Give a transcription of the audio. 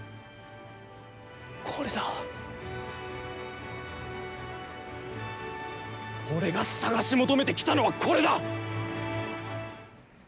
これだ、俺が探し求めてきたのはこれだ！